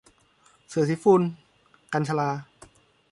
เสื้อสีฝุ่น - กัญญ์ชลา